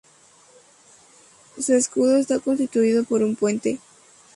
Su escudo está constituido por un puente.